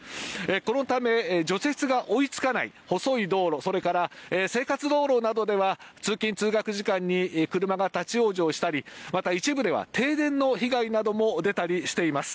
このため除雪が追いつかない細い道路それから生活道路などでは通勤・通学時間に車が立ち往生したりまた一部では停電の被害なども出たりしています。